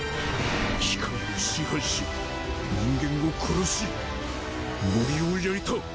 機械を支配し人間を殺し森を焼いた。